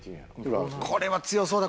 これは強そうだ。